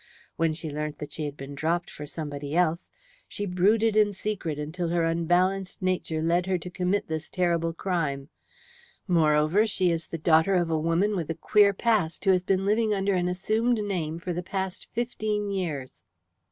When she learnt that she had been dropped for somebody else she brooded in secret until her unbalanced nature led her to commit this terrible crime. Moreover, she is the daughter of a woman with a queer past, who has been living under an assumed name for the past fifteen years."